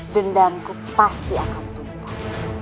dendamku pasti akan tuntas